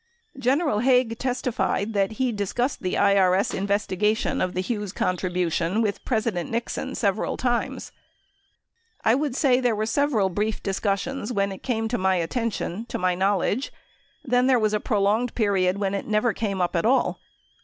General Haig testified that he discussed the IRS investigation of the Hughes contribution with President Nixon several times: "I would say there were several brief discussions when it came to my attention — to my knowledge. Then there Avas a prolonged period when it never came up at all.